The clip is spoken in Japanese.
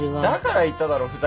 だから言っただろ。